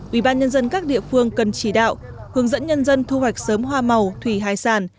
ủy ban nhân dân các địa phương cần chỉ đạo hướng dẫn nhân dân thu hoạch sớm hoa màu thủy hải sản